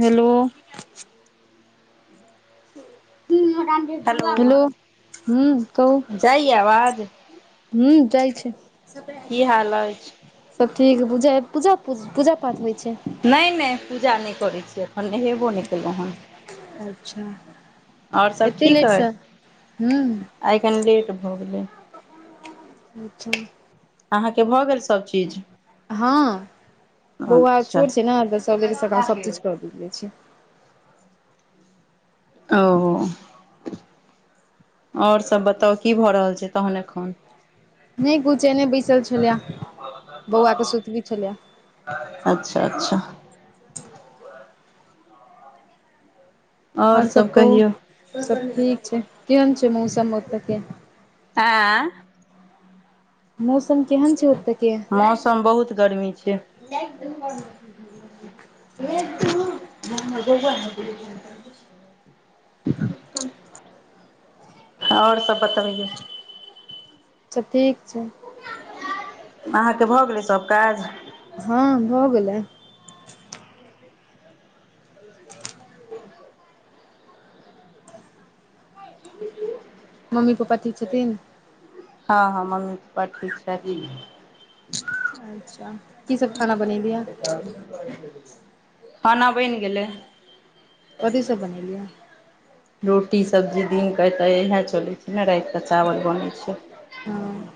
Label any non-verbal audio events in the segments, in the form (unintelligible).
Hello. Hello हुं कहु। जाइ या आवाज। ह्म जाय छै। की हाल अछि सब ठीक बुझाय पूज पूजा पाठ होइ छै। नहि नहि पूजा नहि करैत छी एखन नहेब हेबो नै केलौउ हैं अच्छा आर सब एते ठीक अय। लेटसँ हूँ आइ कनी लेट भऽ गेलैय। अच्छा। अहाँके भऽ गेल सभ चीज। हँ बौआ अच्छा छोट छै ने तऽ सबेरे सकाल सभ चीज क लेने छी। ओ और सब बताउ की भऽ रहल छै, तहन एखन। नहि किुछ एनैहे बैसल छलियए, बौआ कऽ सुतबी छलियए। अच्छा- अच्छा। आओर और सब सभ कहू कहियौ सब ठीक छै, केहन छै मौसम ओतऽ के। आँ। मौसम केहन छै ओतऽके। मौसम बहुत गर्मी छै। (inaudible) और सब बतबियो। सब ठीक छै। अहाँके भऽ गेलै सब काज। हँ भऽ गेलै। ब मम्मी पप्पा ठीक छथिन? हँ- हँ मम्मी पप्पा ठीक छथिन। अच्छा की सब खाना बनेलियै हे। खाना बनि गेलै। कथी सब बनेलियै रोटी, सब्जी दिनके तऽ इएह चलै छै ने, राइत के चावल बनै छै। हँ।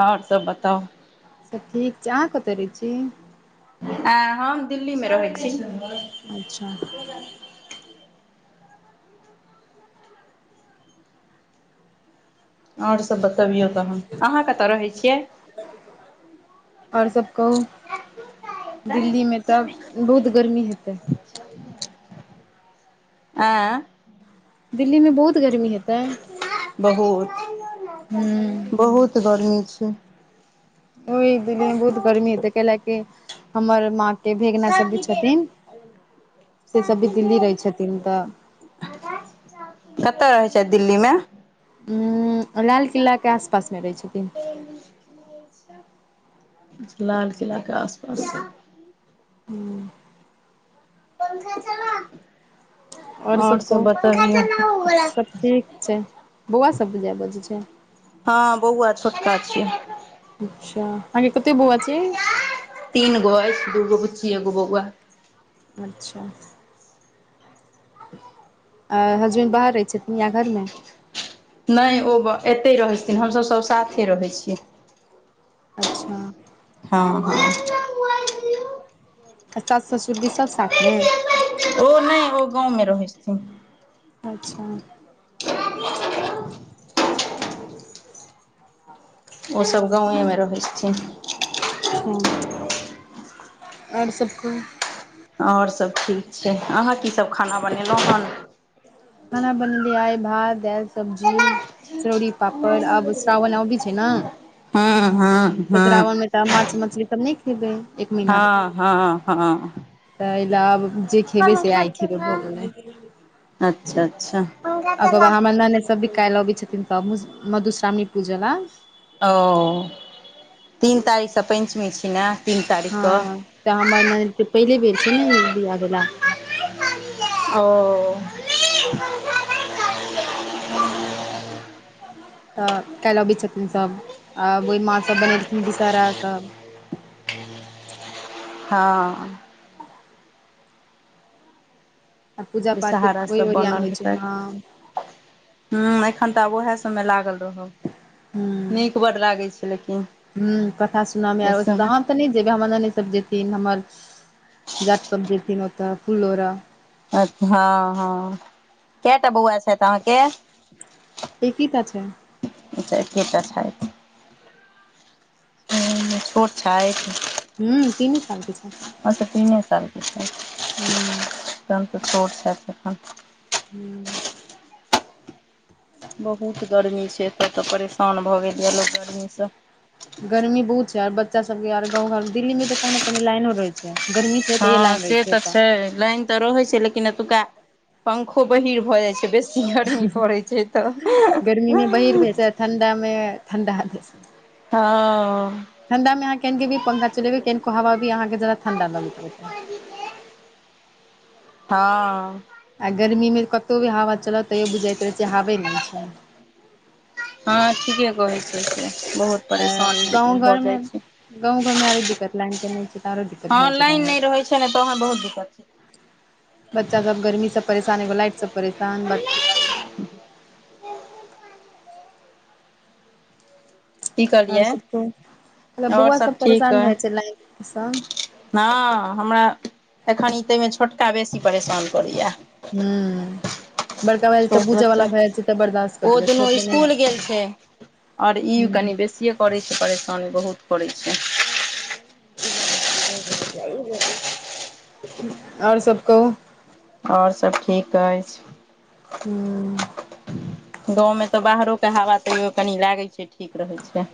और सब बताउ। सब ठीक छै, अहाँ कतऽ रहै छी। अंय हम दिल्ली में रहै छी। अच्छा। और सब बतबियौ तहन, अहाँ कतऽ रहै छियै। और सब कहू। दिल्ली में तऽ बहुत गर्मी हेतै। अंय। दिल्ली में बहुत गर्मी हेतै। हूँ बहुत- बहुत गर्मी छै। ओह दिल्ली मे बहुत गर्मी हेतै कैलैऽ कि हमर माँ के भेगना सब भी कतय छथिन, से सब भी दिल्ली रहै छथिन तऽ कतय रहै छैथ दिल्ली मे। उंऽ लाल किला के आस-पास में रहैत छथिन। लाल किला के आस पास। हूँ। पंखा चला नऽ। आओर और सब कहू बताबियो। सब ठीक छै बौआ सब बुझाए बाजै छै। हँ बौआ छोटका छियै। अच्छा! अहाँ के कतेक बौआ छै। तीन गो अइछ, दूगो बुच्ची एगो बौआ। अच्छा! आ हसबैंड बाहर रहै छथिन या घर मे? नै ओ एतै रहै छथिन, हमसभ सभ साथे रहै छियै। अच्छा। हँ हँ। आ सास ससुर भी सभ साथ मे? ओ नहि ओ गाँव मे रहैत छथिन। अच्छा। ओ सभ गांव मे रहै छथिन। हुं, और सब कहु। और सभ ठीक छै अहाँ की सभ खाना बनेलहुँ हन। खाना बनेलिऐ आइ भात दैल। हँ सब्जी चरौड़ी पापड़ आब स्राव आबै छै न। ह ह। तऽ श्रावन मे तऽ माछ मछली तब नहि खेबै, एक महीना। हँ हँ हँ तऽ एहि ले आब जे खेबै से पंखा आइ खेबै चला भऽ गेलै। अच्छा अच्छा। पंखा ओकर चला बाद हमर ननैद सब भी काइल अबै छथिन सब मधुश्रावणी पूजा ले। ओ तीन तारीख सँ पञ्चमी छी न। हँ तऽ हमर ननैद के पहिले बेर छै ने ई बियाह भेला। ओ। (unintelligible) तऽ काल्हि आबैत छथिन सब आ ओहि माँ सब बनेलथिन विषहरा सब। हँ। आ पूजा पाठके ओहि ओरियन होइ छै न। हं एखन तऽ आब ओहे सब मे लागल रहब। हुं नीक बड लागै छै लेकिन हुं कथा सुनऽ मे एहि आबैत छै सबमे सब। ओते नहि जेबे हमर ननैद सब जेथिन हमर जेठ सब जेथिन ओते फूल लोढऽ। अच हँ हँ कै टा बौआ छथि अहाँ के। ऐके टा छैथ। अच्छा एके टा छैथ। छोट छैथ। हुं तीन साल के छैथ। अच्छा तऽ तीने साल के छैथ। हूं। तखन त छोट छैथ अखैन। हुं। बहुत गर्मी छै एतय तऽ परेशान भऽ गेलैये लोक गर्मीसँ। गर्मी बहुत छै आर बच्चा सब के यार गाँव घर मे, दिल्ली मे त कनी कनी लाइनो रहे छै। गर्मी छै तैयो हँ लाइन रहै से तऽ एतऽ छै लाइन तऽ रहे छै लेकिन एतुका पंखो बहीर भऽ जाइ छै बेसी। गर्मी पड़ैत छै त। ठण्डामे ठण्डा बेसी। हँ। ठण्डामे अहाँ कनेको भी पंखा चलेबै कनिको हवा भी अहाँके ज्यादा ठण्डा लगैत रहतै। हां। आ गर्मीमे कतहु भी हवा चलत तैयो बुझाइत रहैत छै हावे नहि छै। हँ ठीके कहै छै, से बहुत आ परेशानी गाँव लेकिन घर मे भजाइ छै। गाँव घरमे आरो दिकत लइन कनहि रहे छै। तऽ आरो दिक्कत हँ भए छै लाइन गाँव घर नहि मे रहै छै ने तहन बहुत दिक्कत छै। बच्चा सब गर्मीसँ परेशान एगो लाइटसँ परेशान बड की ओर कहलियै सब कहु मतलब आओर बौआ सब ठीक परेशान अइ रहै छै, लाइनसँ। हँ हमरा एखन ई ताहिमे छोटका बेसी परेशान करैए। हम्म बड़का वाला त बूजय बच्चा बला भए जाइ छै, त बर्दाश्त ओ कर छोटके नइ न। ओर ई कनि बेसिए करै छै, परेशानी बहुत करै छै। ओर सब कहु ओर सब ठीक अइछ। हम्म गाँवमे त बाहरोके हवा तयो कनि लागै छै, ठीक रहै छै।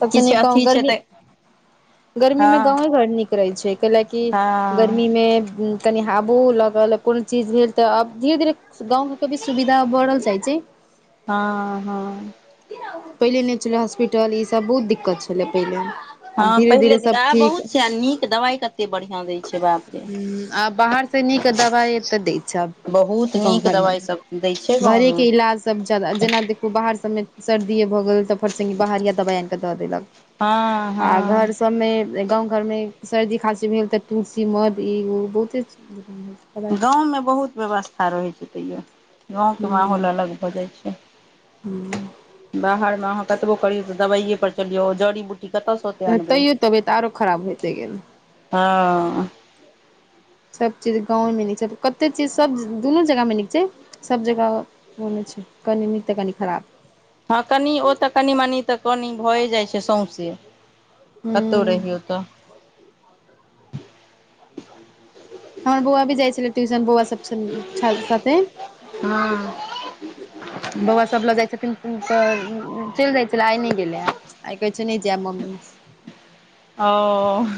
तबसँ किछु निक गांव अथी छै गर्मी तऽ गर्मी हँ मे गाँव घर नीक रहै छै, कैलेकि हँ गर्मीमे कनि हाबो लगल कोनो चीज भेल त आब धीरे -धीरे गाँव घरके भी सुविधा बढ़ल जाइ छै। हँ -हँ पहिले नहि छलै हॉस्पिटल ईसभ बहुत दिक्कत छलै, पहिले आब हँ धीरे पहिले धीरे सब अब बहुत छै आ नीक दवाई कते बढ़ियां दय छै। बाप रे हम्म आब बाहर से नीक दबाइ एत दै छ। बहुत नीक दबाइसभ दै छै गाँवमे। सभ जादा जेना देखू बाहर सभमे सर्दिए भ गेल त फटसने बाहरिया दबाइ आन के द देलक हँ आ घर हँ सबमे गाँव घरमे सर्दी खाँसी भेल त तुलसी मध ई उ बहुते छै। गाँवमे बहुत व्यवस्था रहै छै, तैयो गाँवके माहौल अलग भजाइ छै। हम्म बाहरमे अहाँ कतबो करियौ त दबाइए पर चलियौ जड़ी बूटी इ कतस तैयो तबियत आरो खराब होयइते गेल हँ सभ चीज गाँव मे नीक छै, कते चीज सब दुनू जगह मे नीक छै। सभ जगह ओनहे छै कनि नीक तऽ, कनि खराब हँ कनि ओ त कनि मनी त कनि भए जाइ छै, सौँसे ह कतौ रहियो त, हमर बौआ भी जाइ छलै ट्यूशन बौआ सब साथे हँ बौआ सब लऽ, जाइ छथिन तऽ चलि जाइ छलै आइ नहि गेलै हे। आइ कहै छै नइ जायब मम्मी ओ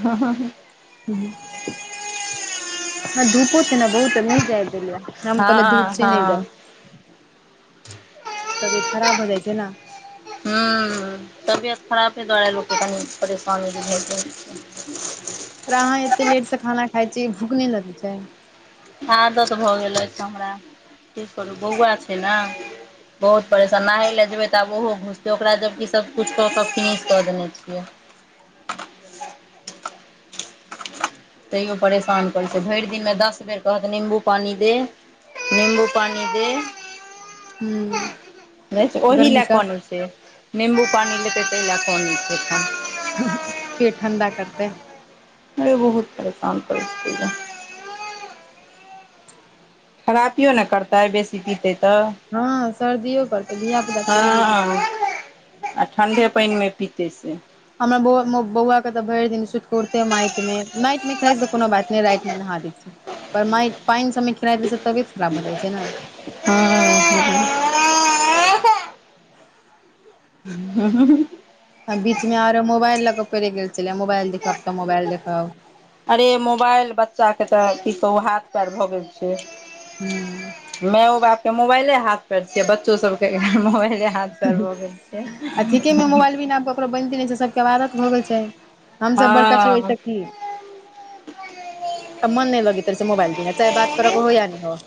ह - ह ह धूपो छै ने, बहुत तऽ नहि जाय देलियैए। हम कहलियै हँ धूप छै नहि जाइ हँ तबियत खराब भऽ जाइ छै नऽ हूं तबियत खराबे द्वारे लोक के कनी परेशानी बुझाइय रहै छै (unintelligible) तोरा अहाँ एते लेटसँ खाना खाइ छियै भूख नहि लगै छै। आदत भऽ गेल अछि हमरा की करू बौआ छै नऽ बहुत परेशान नहाय लए जेबै तऽ आब ओहो घुसतै ओकरा जबकि सबकिछ कऽ कऽ फिनिश कऽ देने छियै। तईयो परेशान करै छै भैर दिनमे दस बेर कहत निम्बू पानी दे निम्बू पानी दे ह देखै छियै ओहि गर्मी लै सँ कानै छै। निम्बू पानी लेतै तै लै कानै छै एखन। हां पेट ठंडा करतै। अरे बहुत परेशान करय छै। खराबियौ नै करतै बेसी पितै तऽ हां सर्दियो करतै धिया-पुता थोरी बुझै हँ आ ठण्डे पैन मे पीतै से हमरा बौआ मो बौआ के तऽ भैर दिन सुत कोरते मैएट मे मैट मे खैस के कोनो बात नै राएत मे नहा दै छियै। पर मैट पाइन सबमे खैलाएत रहै छै त तबियत खराब भऽ जाए छै नै। हां। हूं-हूं-हूं आ बीचमे आरो मोबाइल लऽ कऽ पड़ैक गेल छलै यै मोबाइल देखब, तऽ मोबाइल देखब। अरे मोबाइल बच्चाके तै की कहू हाथ पैर भऽ गेल हूँ छै। माओ बाप के मोबाइले हाथ पैर छियै आ बच्चो सब के मोबाइले हाथ पैर भऽ गेल छै आ ठीके मे मोबाइल बिना आब ककरो बैनते नै छै सबके आब आदत भऽ गेल छै। हम सब बड़का छी ओय से हँ की? तब मोन नै लगैत रहै छै मोबाइल‌ बिना चाहे बात करा के होय या न‌ होय।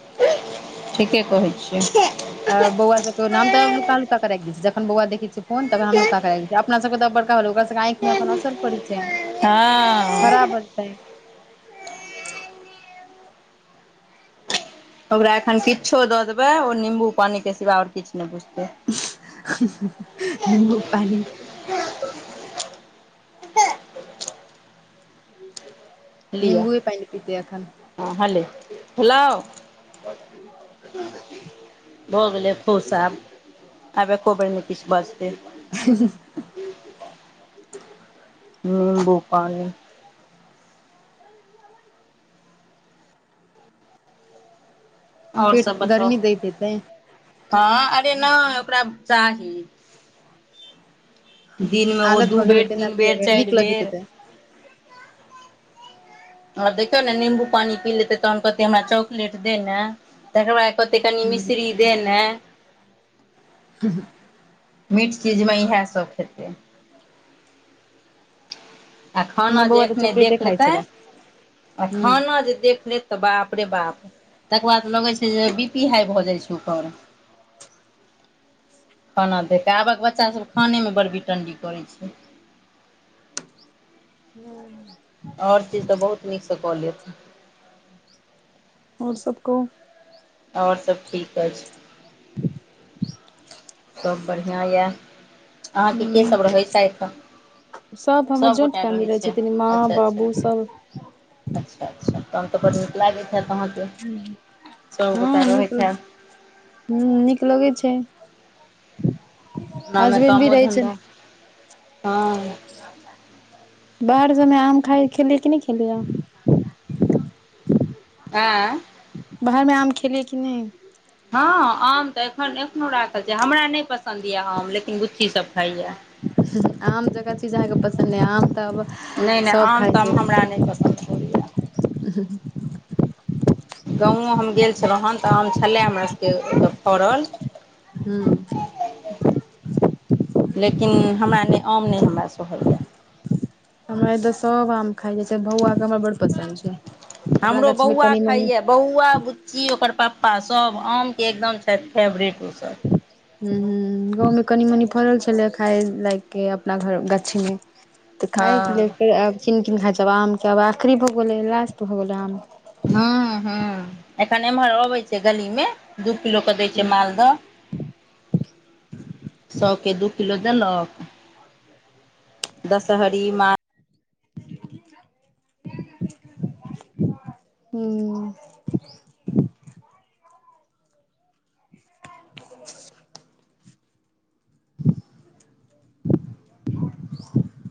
ठीके कहै छियै। आ बौआ सबके हम तऽ नुका-नुका कै राएख दै छियै जखैन बौआ देखै छियै फोन तखन हम नुका कऽ राएख दै छियै, अपना सबके तऽ आब बड़का (unintelligible) ओकरा सबके आएखमे अखन असर पड़ै छै। हँ खराब हेतै। ओकरा एखन किच्छो दऽ देबै ओ निम्बू पानिके सिवा और किछ नै बुझतै निम्बू पानी निंबूए पैन पीतै अखन हां हले, भेलौ? भऽ गेलै खूश आब, आब एकोबेर नै किछ बाजतै ही ही (unintelligible) नींबू पानी। और पेट सब बताउ गर्मी दैत हेतै हां अरे नै ओकरा चाही दिन मे ओ आदत दू भऽ गेल बेर, हेतै ने तीन पिय बेर, के चाएर नीक लगैत बेर हेतै अ देखियौ नै निम्बू पानी पी लेतै तहन कहतै हमरा चॉकलेट दे नै तकर बाद कहते कनि मिश्री दे नै ह (inaudible) मीठ चीज मे इहै सब खेतै। आ खाना हमर जे बौआ तऽ एखने चॉकलेटे देख खाइ लेतै छलै आ हूँ खाना जे देख लेत तऽ बाप रे बाप तकर बाद लगै छै जे बी पी हाई भऽ जाए छै ओकर खाना देख के आबक बच्चा सब खाने मे बड़ बिटण्डी करै छै। नै उ सब और चीज तै बहुत नीक से कऽ लेत और सब कहू? और सब ठीक ऐछ। सब बढ़िया यै अहाँके के सब हूँ रहै छै ऐठा? सब हमर ज्वइंट फैमिली रहै छथिन माँ अच्छा अच्छा बाबू सब अच्छा अच्छा। (unintelligible) तऽ बड़ नीक लागैत हैत अहाँके सभगोटा रहैत हैब। हुं नीक लगै छै। एनामे हसबैंड भी कामो रहै छै धंधा हँ। बाहर सममे आम खाइ खेलियै कि नहि खेलिय। ऐं। बाहरमे आम खेलियै कि नहि। हँ आम तऽ एखन एखनो राखल छै हमरा नहि पसन्द यए आम लेकिन बुच्चीसभ खाइया। आम जेका चीज अहाँके पसन्द या आम तऽ नहि नहि सभ आम ताम हमरा नहि पसन्द पड़ैया ह गाँवो हम गेल छलहुँ हन तऽ आम छलय हमरासभके ओतय फरल। हुं। लेकिन हमरा नहि आम नहि हमरा सोहैया। हमरा ऐ जग सब आम खा जाइ जाय छै बौआ के हमरा बड़ पसन्द छै। अपना हमरो गाछ मे बौआ कनि मनी खाइया बौआ बुच्ची ओकर पप्पा सब आमके एकदम छथि फेवरेट ओसभ। हु हु। गाँवमे कनी मनी फड़ल छलै खाय लाय के अपना घर गाछी मे। तऽ खाायके लेल हँ तऽ आब किन कीन खाइ छै आब आमके आब आखिरी भऽ गेलै लास्ट भऽ गेलै आम हु हु एखन एम्हर अबै छै गली मे दू किलोक दैय छैय हूँ मालदह। सौ के दू किलो देलक। दशहरी माल हुं।